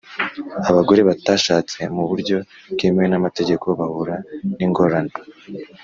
abagore batashatse mu buryo bwemewe n’amategeko bahura n’ingorane;